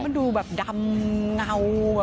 มันดูแบบดำเงา